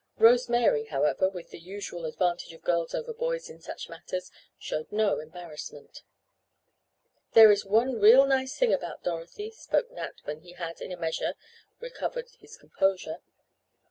Rose Mary, however with the usual advantage of girls over boys in such matters, showed no embarrassment. "There is one real nice thing about Dorothy," spoke Nat when he had, in a measure recovered his composure.